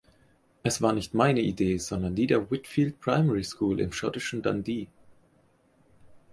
Es war nicht meine Idee, sondern die der Whitfield Primary School im schottischen Dundee.